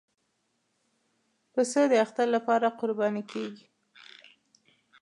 پسه د اختر لپاره قرباني کېږي.